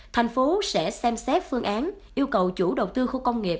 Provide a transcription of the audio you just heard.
thành phố sẽ xem xét phương án yêu cầu chủ đầu tư khu công nghiệp